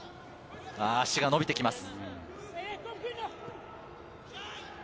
足が伸びてきます。